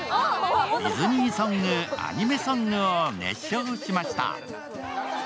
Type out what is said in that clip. ディズニーソング、アニメソングを熱唱しました。